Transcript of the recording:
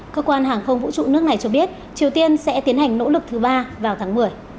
cơ quan hàng không vũ trụ nước này cho biết triều tiên sẽ tiến hành nỗ lực thứ ba vào tháng một mươi